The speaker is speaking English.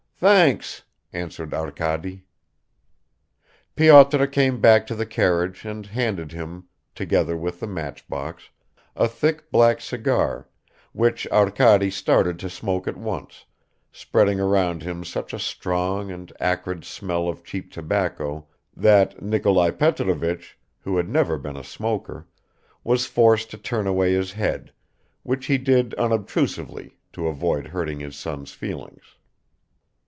"Thanks," answered Arkady. Pyotr came back to the carriage and handed him, together with the matchbox, a thick black cigar, which Arkady started to smoke at once, spreading around him such a strong and acrid smell of cheap tobacco that Nikolai Petrovich, who had never been a smoker, was forced to turn away his head, which he did unobtrusively, to avoid hurting his son's feelings.